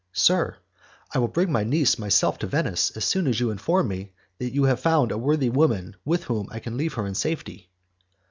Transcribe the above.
"Sir, I will bring my niece myself to Venice as soon as you inform me that you have found a worthy woman with whom I can leave her in safety."